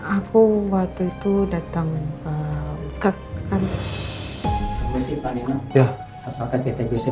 aku waktu itu datang dengan pak wittekan